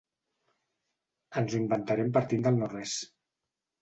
Ens ho inventarem partint del no-res.